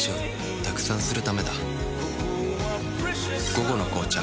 「午後の紅茶」